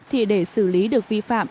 thì để xử lý được vi phạm